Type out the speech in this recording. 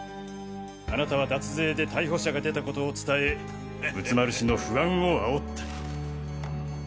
あなたは脱税で逮捕者が出たことを伝え仏丸氏の不安を煽った。